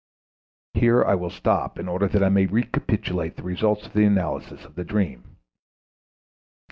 Here I will stop in order that I may recapitulate the results of the analysis of the dream.